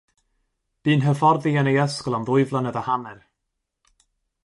Bu'n hyfforddi yn ei ysgol am ddwy flynedd a hanner.